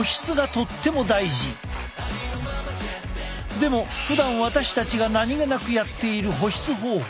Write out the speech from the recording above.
でもふだん私たちが何気なくやっている保湿方法